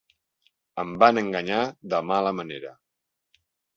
Em van enganyar de mala manera!